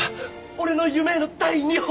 俺の夢への第二歩。